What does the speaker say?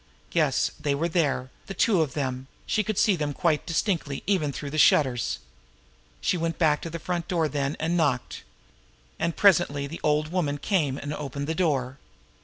Yes, they were there, the two of them she could see them quite distinctly even through the shutters. She went back to the front door then, and knocked. And presently the old woman came and opened the door.